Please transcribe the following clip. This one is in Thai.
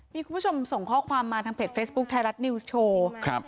มีคุณผู้ชมส่งข้อความมาทางเพจเฟซบุ๊คไทยรัฐนิวส์โชว์ครับ